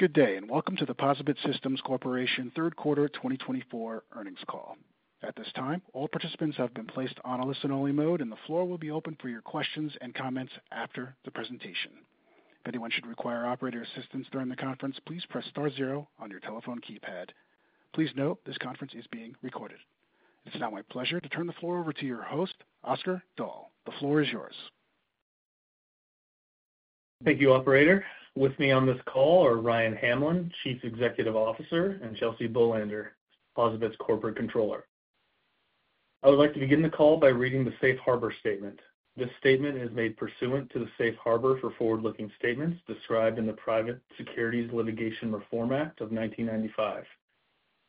Good day, and welcome to the POSaBIT Systems Corporation third quarter 2024 earnings call. At this time, all participants have been placed on a listen-only mode, and the floor will be open for your questions and comments after the presentation. If anyone should require operator assistance during the conference, please press star zero on your telephone keypad. Please note this conference is being recorded. It's now my pleasure to turn the floor over to your host, Oscar Dahl. The floor is yours. Thank you, Operator. With me on this call are Ryan Hamlin, Chief Executive Officer, and Chelsea Bolander, POSaBIT's Corporate Controller. I would like to begin the call by reading the Safe Harbor Statement. This statement is made pursuant to the Safe Harbor for Forward-Looking Statements described in the Private Securities Litigation Reform Act of 1995.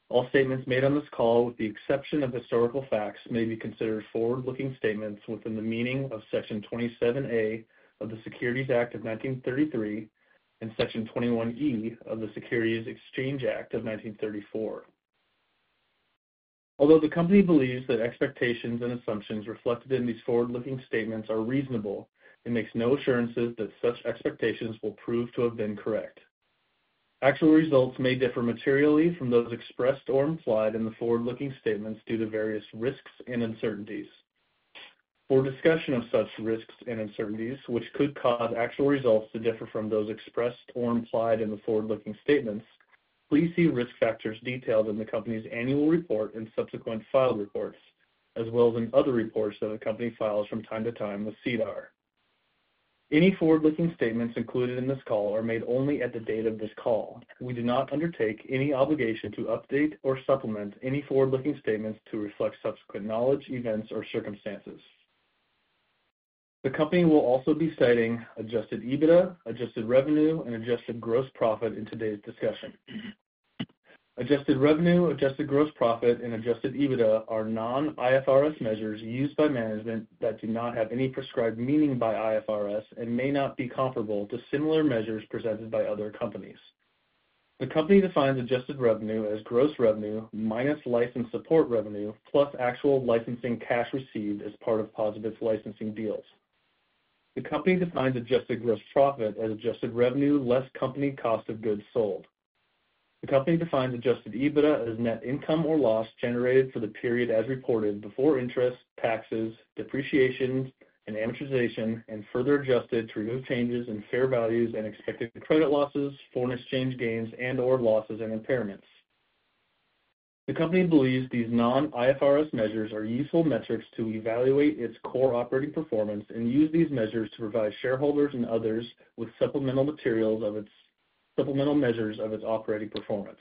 All statements made on this call, with the exception of historical facts, may be considered forward-looking statements within the meaning of Section 27A of the Securities Act of 1933 and Section 21E of the Securities Exchange Act of 1934. Although the company believes that expectations and assumptions reflected in these forward-looking statements are reasonable, it makes no assurances that such expectations will prove to have been correct. Actual results may differ materially from those expressed or implied in the forward-looking statements due to various risks and uncertainties. For discussion of such risks and uncertainties, which could cause actual results to differ from those expressed or implied in the forward-looking statements, please see risk factors detailed in the company's annual report and subsequent filed reports, as well as in other reports that the company files from time to time with SEDAR. Any forward-looking statements included in this call are made only at the date of this call. We do not undertake any obligation to update or supplement any forward-looking statements to reflect subsequent knowledge, events, or circumstances. The company will also be citing adjusted EBITDA, adjusted revenue, and adjusted gross profit in today's discussion. Adjusted revenue, adjusted gross profit, and adjusted EBITDA are non-IFRS measures used by management that do not have any prescribed meaning by IFRS and may not be comparable to similar measures presented by other companies. The company defines adjusted revenue as gross revenue minus license support revenue plus actual licensing cash received as part of POSaBIT's licensing deals. The company defines adjusted gross profit as adjusted revenue less company cost of goods sold. The company defines adjusted EBITDA as net income or loss generated for the period as reported before interest, taxes, depreciation, and amortization, and further adjusted to remove changes in fair values and expected credit losses, foreign exchange gains, and/or losses and impairments. The company believes these non-IFRS measures are useful metrics to evaluate its core operating performance and use these measures to provide shareholders and others with supplemental measures of its operating performance.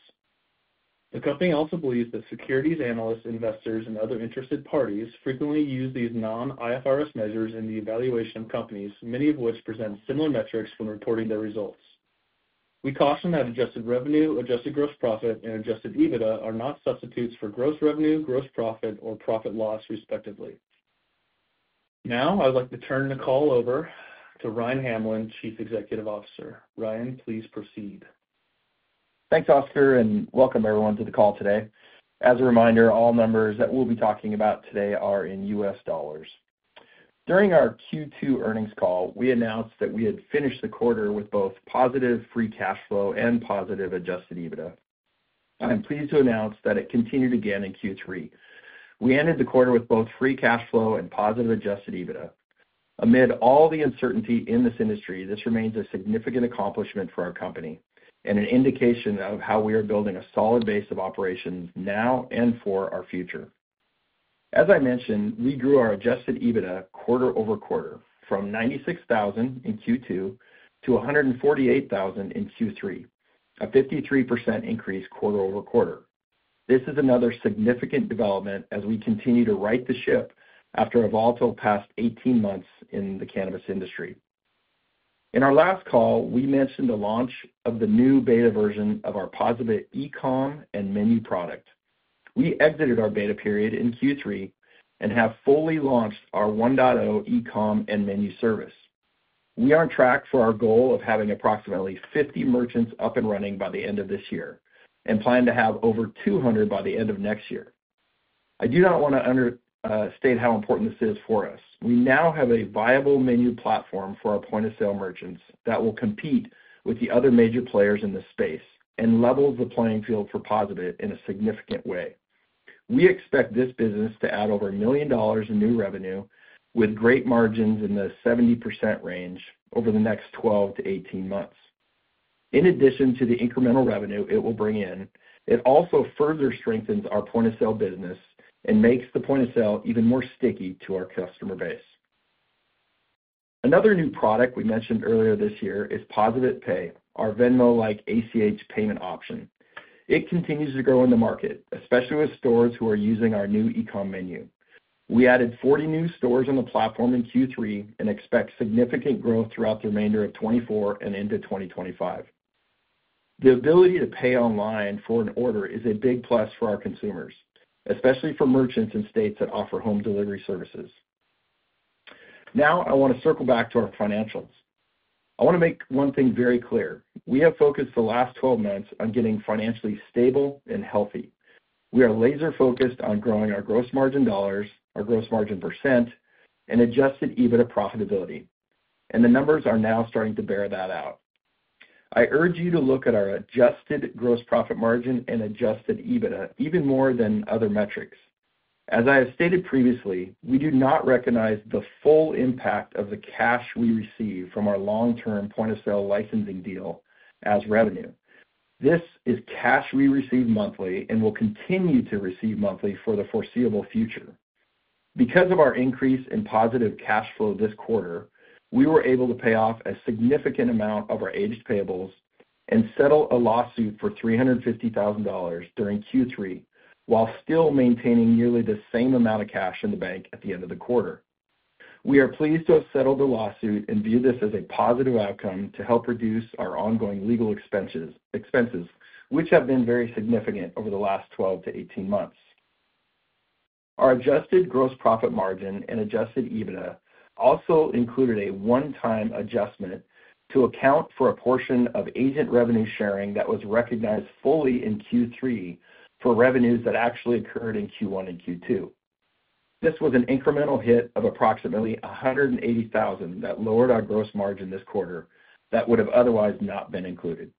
The company also believes that securities analysts, investors, and other interested parties frequently use these non-IFRS measures in the evaluation of companies, many of which present similar metrics when reporting their results. We caution that adjusted revenue, adjusted gross profit, and adjusted EBITDA are not substitutes for gross revenue, gross profit, or profit loss, respectively. Now, I would like to turn the call over to Ryan Hamlin, Chief Executive Officer. Ryan, please proceed. Thanks, Oscar, and welcome everyone to the call today. As a reminder, all numbers that we'll be talking about today are in US dollars. During our Q2 earnings call, we announced that we had finished the quarter with both positive free cash flow and positive adjusted EBITDA. I am pleased to announce that it continued again in Q3. We ended the quarter with both free cash flow and positive adjusted EBITDA. Amid all the uncertainty in this industry, this remains a significant accomplishment for our company and an indication of how we are building a solid base of operations now and for our future. As I mentioned, we grew our adjusted EBITDA quarter over quarter from $96,000 in Q2 to $148,000 in Q3, a 53% increase quarter over quarter. This is another significant development as we continue to right the ship after a volatile past 18 months in the cannabis industry. In our last call, we mentioned the launch of the new beta version of our POSaBIT e-com and menu product. We exited our beta period in Q3 and have fully launched our 1.0 e-com and menu service. We are on track for our goal of having approximately 50 merchants up and running by the end of this year and plan to have over 200 by the end of next year. I do not want to understate how important this is for us. We now have a viable menu platform for our point-of-sale merchants that will compete with the other major players in this space and level the playing field for POSaBIT in a significant way. We expect this business to add over $1 million in new revenue with great margins in the 70% range over the next 12 to 18 months. In addition to the incremental revenue it will bring in, it also further strengthens our point-of-sale business and makes the point-of-sale even more sticky to our customer base. Another new product we mentioned earlier this year is POSaBIT Pay, our Venmo-like ACH payment option. It continues to grow in the market, especially with stores who are using our new e-com menu. We added 40 new stores on the platform in Q3 and expect significant growth throughout the remainder of 2024 and into 2025. The ability to pay online for an order is a big plus for our consumers, especially for merchants in states that offer home delivery services. Now, I want to circle back to our financials. I want to make one thing very clear. We have focused the last 12 months on getting financially stable and healthy. We are laser-focused on growing our gross margin dollars, our gross margin %, and adjusted EBITDA profitability, and the numbers are now starting to bear that out. I urge you to look at our adjusted gross profit margin and adjusted EBITDA even more than other metrics. As I have stated previously, we do not recognize the full impact of the cash we receive from our long-term point-of-sale licensing deal as revenue. This is cash we receive monthly and will continue to receive monthly for the foreseeable future. Because of our increase in positive cash flow this quarter, we were able to pay off a significant amount of our aged payables and settle a lawsuit for $350,000 during Q3 while still maintaining nearly the same amount of cash in the bank at the end of the quarter. We are pleased to have settled the lawsuit and view this as a positive outcome to help reduce our ongoing legal expenses, which have been very significant over the last 12-18 months. Our adjusted gross profit margin and adjusted EBITDA also included a one-time adjustment to account for a portion of agent revenue sharing that was recognized fully in Q3 for revenues that actually occurred in Q1 and Q2. This was an incremental hit of approximately $180,000 that lowered our gross margin this quarter that would have otherwise not been included.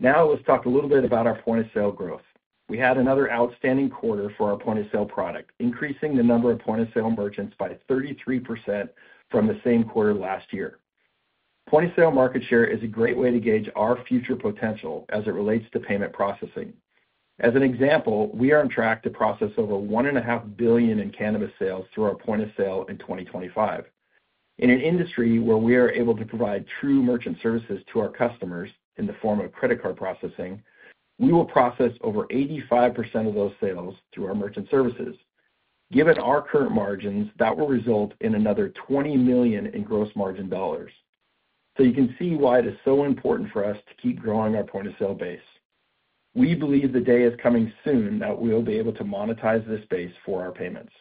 Now, let's talk a little bit about our Point of Sale growth. We had another outstanding quarter for our Point of Sale product, increasing the number of Point of Sale merchants by 33% from the same quarter last year. Point of Sale market share is a great way to gauge our future potential as it relates to payment processing. As an example, we are on track to process over $1.5 billion in cannabis sales through our Point of Sale in 2025. In an industry where we are able to provide true merchant services to our customers in the form of credit card processing, we will process over 85% of those sales through our merchant services. Given our current margins, that will result in another $20 million in gross margin dollars. So you can see why it is so important for us to keep growing our Point of Sale base. We believe the day is coming soon that we will be able to monetize this base for our payments.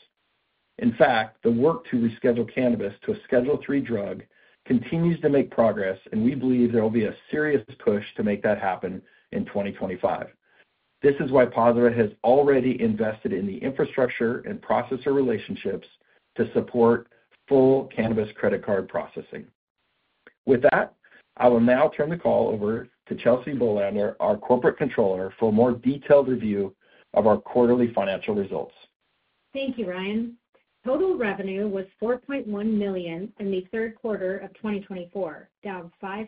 In fact, the work to reschedule cannabis to a Schedule III drug continues to make progress, and we believe there will be a serious push to make that happen in 2025. This is why POSaBIT has already invested in the infrastructure and processor relationships to support full cannabis credit card processing. With that, I will now turn the call over to Chelsea Bolander, our Corporate Controller, for a more detailed review of our quarterly financial results. Thank you, Ryan. Total revenue was $4.1 million in the third quarter of 2024, down 5%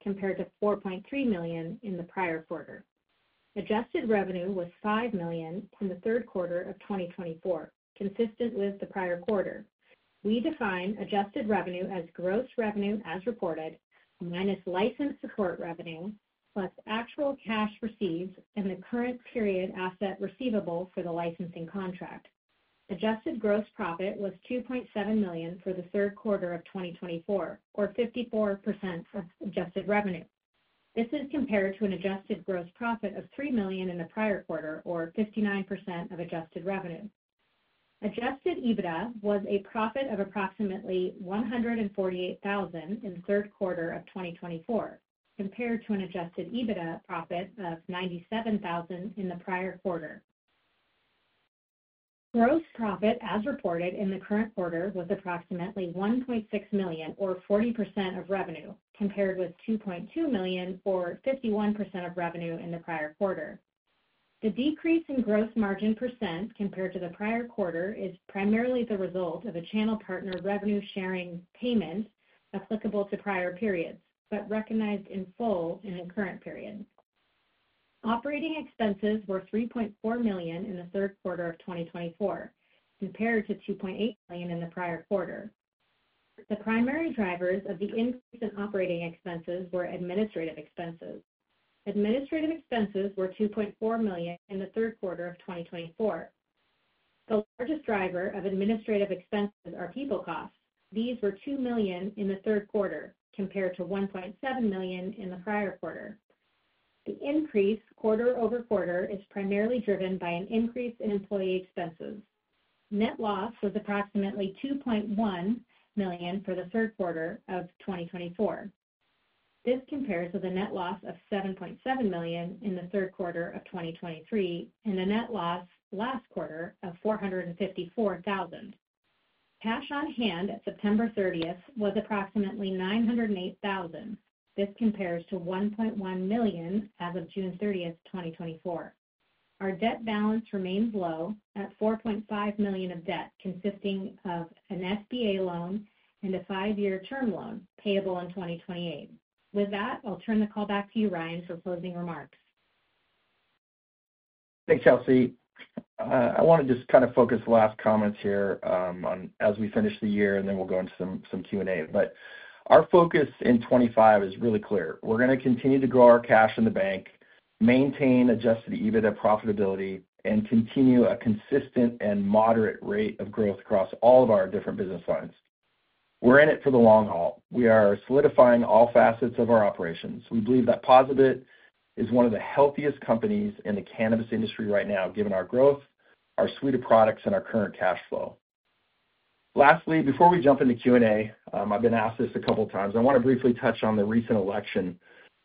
compared to $4.3 million in the prior quarter. Adjusted revenue was $5 million in the third quarter of 2024, consistent with the prior quarter. We define adjusted revenue as gross revenue as reported minus license support revenue plus actual cash received and the current period asset receivable for the licensing contract. Adjusted gross profit was $2.7 million for the third quarter of 2024, or 54% of adjusted revenue. This is compared to an adjusted gross profit of $3 million in the prior quarter, or 59% of adjusted revenue. Adjusted EBITDA was a profit of approximately $148,000 in the third quarter of 2024, compared to an adjusted EBITDA profit of $97,000 in the prior quarter. Gross profit as reported in the current quarter was approximately $1.6 million, or 40% of revenue, compared with $2.2 million, or 51% of revenue in the prior quarter. The decrease in gross margin % compared to the prior quarter is primarily the result of a channel partner revenue sharing payment applicable to prior periods, but recognized in full in the current period. Operating expenses were $3.4 million in the third quarter of 2024, compared to $2.8 million in the prior quarter. The primary drivers of the increase in operating expenses were administrative expenses. Administrative expenses were $2.4 million in the third quarter of 2024. The largest driver of administrative expenses are people costs. These were $2 million in the third quarter, compared to $1.7 million in the prior quarter. The increase quarter over quarter is primarily driven by an increase in employee expenses. Net loss was approximately $2.1 million for the third quarter of 2024. This compares with a net loss of $7.7 million in the third quarter of 2023 and a net loss last quarter of $454,000. Cash on hand at September 30 was approximately $908,000. This compares to $1.1 million as of June 30, 2024. Our debt balance remains low at $4.5 million of debt, consisting of an SBA loan and a five-year term loan payable in 2028. With that, I'll turn the call back to you, Ryan, for closing remarks. Thanks, Chelsea. I want to just kind of focus the last comments here as we finish the year, and then we'll go into some Q&A. But our focus in 2025 is really clear. We're going to continue to grow our cash in the bank, maintain Adjusted EBITDA profitability, and continue a consistent and moderate rate of growth across all of our different business lines. We're in it for the long haul. We are solidifying all facets of our operations. We believe that POSaBIT is one of the healthiest companies in the cannabis industry right now, given our growth, our suite of products, and our current cash flow. Lastly, before we jump into Q&A, I've been asked this a couple of times. I want to briefly touch on the recent election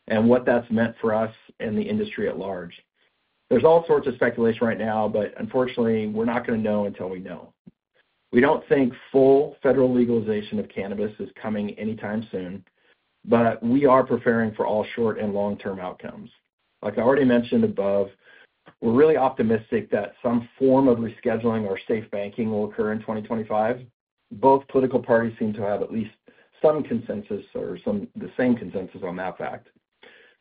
and what that's meant for us and the industry at large. There's all sorts of speculation right now, but unfortunately, we're not going to know until we know. We don't think full federal legalization of cannabis is coming anytime soon, but we are preparing for all short and long-term outcomes. Like I already mentioned above, we're really optimistic that some form of rescheduling or SAFE Banking will occur in 2025. Both political parties seem to have at least some consensus or the same consensus on that fact.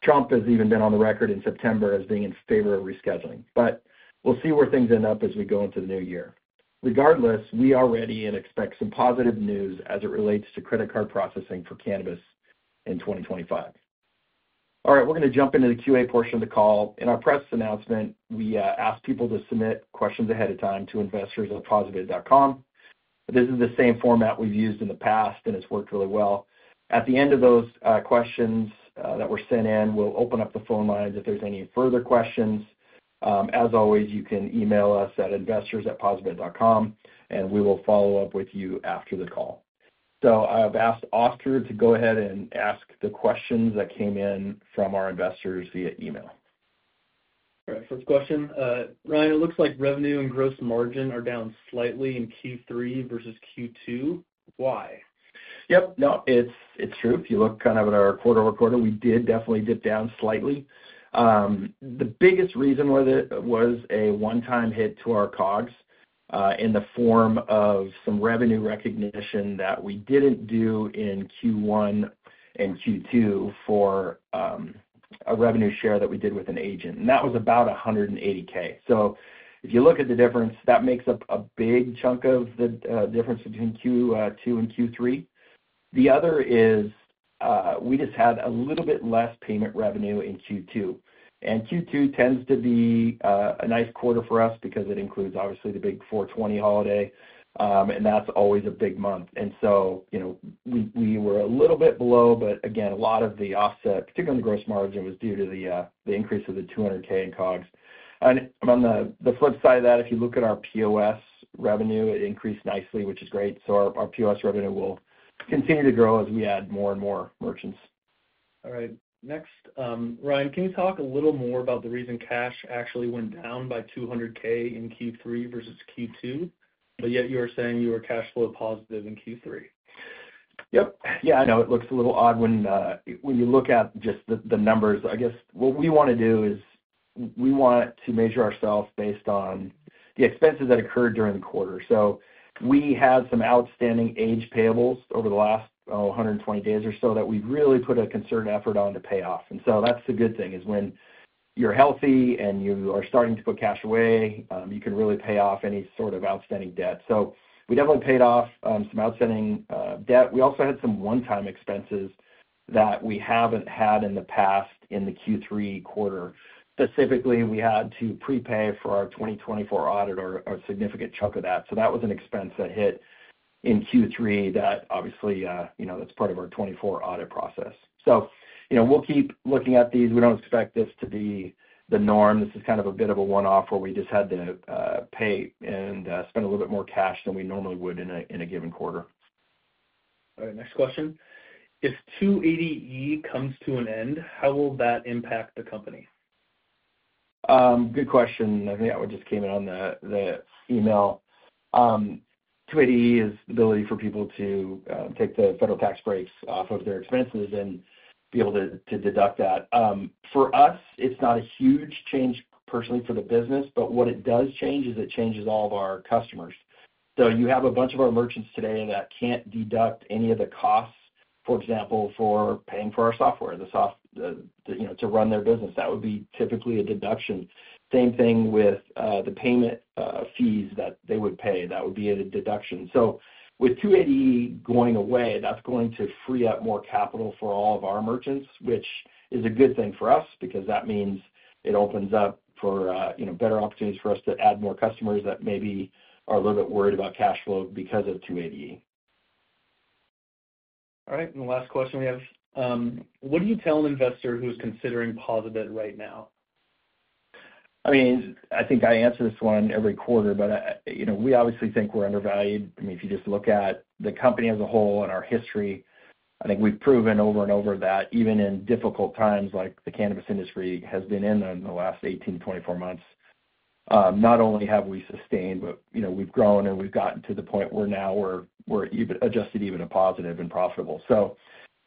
Trump has even been on the record in September as being in favor of rescheduling. But we'll see where things end up as we go into the new year. Regardless, we are ready and expect some positive news as it relates to credit card processing for cannabis in 2025. All right, we're going to jump into the Q&A portion of the call. In our press announcement, we asked people to submit questions ahead of time to investors@POSaBIT.com. This is the same format we've used in the past, and it's worked really well. At the end of those questions that were sent in, we'll open up the phone lines if there's any further questions. As always, you can email us at investors@POSaBIT.com, and we will follow up with you after the call. So I've asked Oscar to go ahead and ask the questions that came in from our investors via email. All right, first question. Ryan, it looks like revenue and gross margin are down slightly in Q3 versus Q2. Why? Yep, no, it's true. If you look kind of at our quarter over quarter, we did definitely dip down slightly. The biggest reason was a one-time hit to our COGS in the form of some revenue recognition that we didn't do in Q1 and Q2 for a revenue share that we did with an agent. And that was about $180,000. So if you look at the difference, that makes up a big chunk of the difference between Q2 and Q3. The other is we just had a little bit less payment revenue in Q2. And Q2 tends to be a nice quarter for us because it includes, obviously, the big 420 holiday, and that's always a big month. And so we were a little bit below, but again, a lot of the offset, particularly on the gross margin, was due to the increase of the $200,000 in COGS. On the flip side of that, if you look at our POS revenue, it increased nicely, which is great. Our POS revenue will continue to grow as we add more and more merchants. All right. Next, Ryan, can you talk a little more about the reason cash actually went down by $200,000 in Q3 versus Q2, but yet you were saying you were cash flow positive in Q3? Yep. Yeah, I know it looks a little odd when you look at just the numbers. I guess what we want to do is we want to measure ourselves based on the expenses that occurred during the quarter. So we had some outstanding aged payables over the last 120 days or so that we really put a concerted effort on to pay off. And so that's the good thing is when you're healthy and you are starting to put cash away, you can really pay off any sort of outstanding debt. So we definitely paid off some outstanding debt. We also had some one-time expenses that we haven't had in the past in the Q3 quarter. Specifically, we had to prepay for our 2024 audit or a significant chunk of that. So that was an expense that hit in Q3 that obviously that's part of our 2024 audit process. So we'll keep looking at these. We don't expect this to be the norm. This is kind of a bit of a one-off where we just had to pay and spend a little bit more cash than we normally would in a given quarter. All right, next question. If 280E comes to an end, how will that impact the company? Good question. I think that one just came in on the email. 280E is the ability for people to take the federal tax breaks off of their expenses and be able to deduct that. For us, it's not a huge change personally for the business, but what it does change is it changes all of our customers. So you have a bunch of our merchants today that can't deduct any of the costs, for example, for paying for our software to run their business. That would be typically a deduction. Same thing with the payment fees that they would pay. That would be a deduction. So with 280E going away, that's going to free up more capital for all of our merchants, which is a good thing for us because that means it opens up for better opportunities for us to add more customers that maybe are a little bit worried about cash flow because of 280E. All right, and the last question we have, what do you tell an investor who is considering POSaBIT right now? I mean, I think I answer this one every quarter, but we obviously think we're undervalued. I mean, if you just look at the company as a whole and our history, I think we've proven over and over that even in difficult times like the cannabis industry has been in the last 18-24 months, not only have we sustained, but we've grown and we've gotten to the point where now we're adjusted EBITDA even positive and profitable. So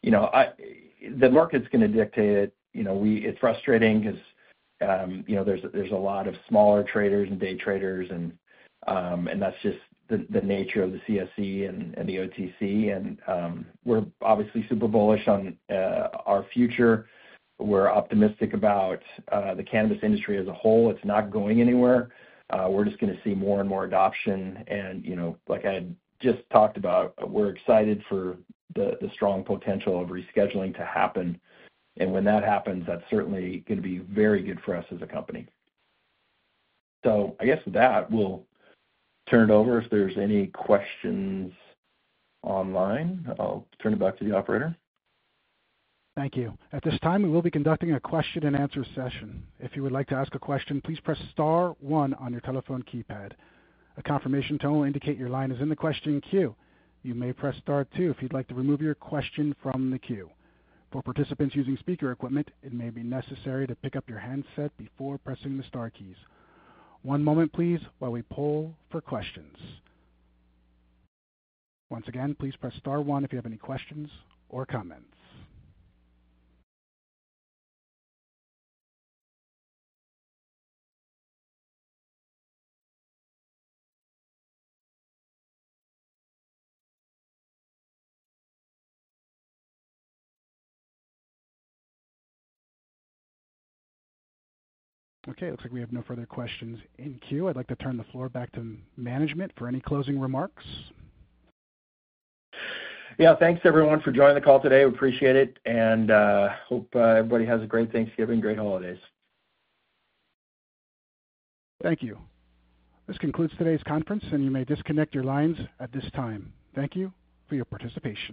the market's going to dictate it. It's frustrating because there's a lot of smaller traders and day traders, and that's just the nature of the CSE and the OTC. And we're obviously super bullish on our future. We're optimistic about the cannabis industry as a whole. It's not going anywhere. We're just going to see more and more adoption. And like I just talked about, we're excited for the strong potential of rescheduling to happen. And when that happens, that's certainly going to be very good for us as a company. So I guess with that, we'll turn it over. If there's any questions online, I'll turn it back to the operator. Thank you. At this time, we will be conducting a question and answer session. If you would like to ask a question, please press Star One on your telephone keypad. A confirmation tone will indicate your line is in the question queue. You may press Star Two if you'd like to remove your question from the queue. For participants using speaker equipment, it may be necessary to pick up your handset before pressing the star keys. One moment, please, while we poll for questions. Once again, please press Star One if you have any questions or comments. Okay, it looks like we have no further questions in queue. I'd like to turn the floor back to management for any closing remarks. Yeah, thanks everyone for joining the call today. We appreciate it and hope everybody has a great Thanksgiving, great holidays. Thank you. This concludes today's conference, and you may disconnect your lines at this time. Thank you for your participation.